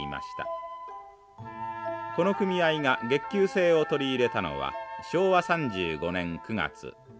この組合が月給制を取り入れたのは昭和３５年９月。